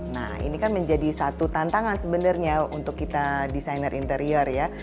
nah ini kan menjadi satu tantangan sebenarnya untuk kita desainer interior ya